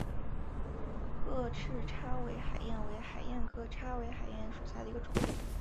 褐翅叉尾海燕为海燕科叉尾海燕属下的一个种。